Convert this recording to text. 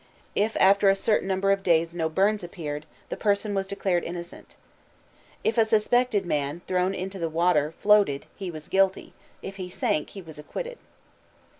If after a certain number of days no burns appeared the person was declared innocent. If a suspected man, thrown into the water, floated he was guilty; if he sank, he was acquitted.